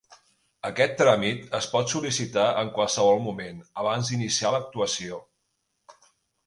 Aquest tràmit es pot sol·licitar en qualsevol moment, abans d'iniciar l'actuació.